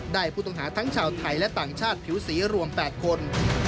ได้พุทธงศาสตร์ทั้งชาวไทยและต่างชาติผิวสีรวม๘คน